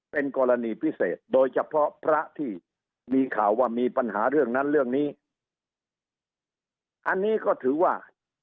เป็นกรณีพิเศษโดยเฉพาะพระที่มีข่าวว่ามีปัญหาเรื่องนั้นเรื่องนี้อันนี้ก็ถือว่า